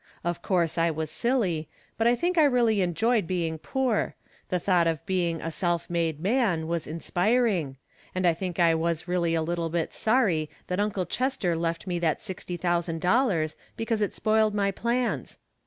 Of course I was silly ; but I think I really enjoyed being poor — the thought of being " a self inade man " was in spiring — and I think I was really a little bit sorry that Uncle Chester left me that sixty thousand dollars, because it spoiled my plans.